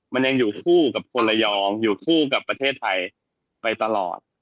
มันยังอยู่คู่กับคนระยองอยู่คู่กับประเทศไทยไปตลอด